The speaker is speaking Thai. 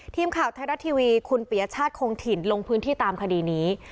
ทีมข่าวไทยรัฐทีวีคุณปียชาติคงถิ่นลงพื้นที่ตามคดีนี้